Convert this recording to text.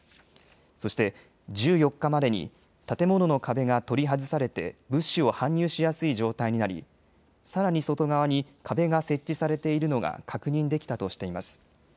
そして１４日までに建物の壁が取り外されて物資を搬入しやすい状態になりさらに外側に壁が設置されているのが確認できたとしています。